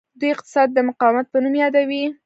دوی اقتصاد د مقاومت په نوم یادوي.